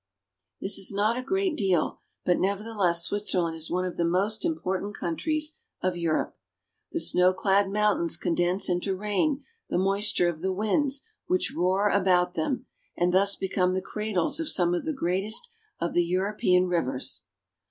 This is not a great deal, but nevertheless Switzerland is one of the most important countries of Europe. The THE ALPS. 251 snow clad mountains condense into rain the moisture of the winds which roar about them, and thus become the cradles of some of the greatest of the European rivers.